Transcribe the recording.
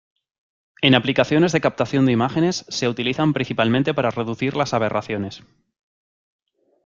En aplicaciones de captación de imágenes, se utilizan principalmente para reducir las aberraciones.